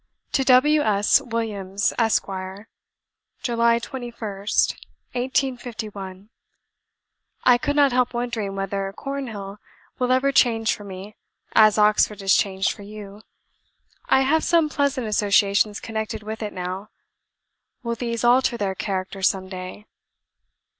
To W. S. WILLIAMS, ESQ. "July 21th, 1851. "... I could not help wondering whether Cornhill will ever change for me, as Oxford has changed for you. I have some pleasant associations connected with it now will these alter their character some day?